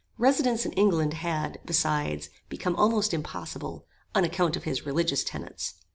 Residence in England had, besides, become almost impossible, on account of his religious tenets.